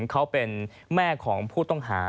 เขาเป็นแม่ของผู้ต้องหา